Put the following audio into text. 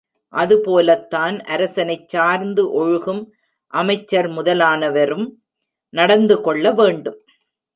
அது போலத்தான் அரசனைச் சார்ந்து ஒழுகும் அமைச்சர் முதலானவரும் நடந்துகொள்ள வேண்டும்.